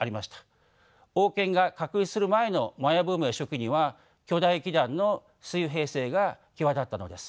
王権が確立する前のマヤ文明初期には巨大基壇の水平性が際立ったのです。